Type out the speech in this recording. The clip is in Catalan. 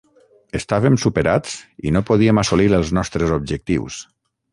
Estàvem superats i no podíem assolir els nostres objectius.